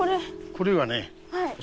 これはね